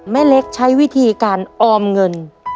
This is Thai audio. แม่เล็กใช้วิธีการออมเงิน